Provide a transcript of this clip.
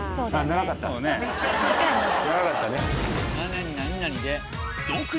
長かったね。